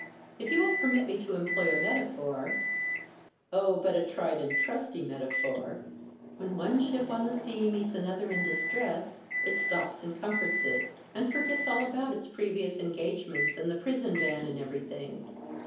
If you will permit me to employ a metaphor oh, but a tried and trusty metaphor when one ship on the sea meets another in distress, it stops and comforts it, and forgets all about its previous engagements and the prison van and everything.